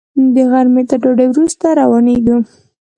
د غرمې تر ډوډۍ وروسته روانېږو.